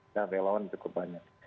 nah relawan cukup banyak